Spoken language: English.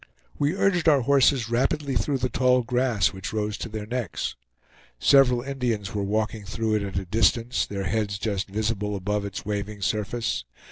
We urged our horses rapidly through the tall grass which rose to their necks. Several Indians were walking through it at a distance, their heads just visible above its waving surface.